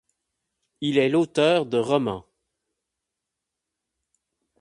Il est l'auteur de romans.